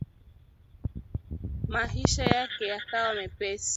Maisha yake yakawa mepesi